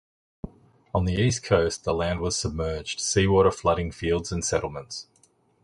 On the east coast, the land was submerged, seawater flooding fields and settlements.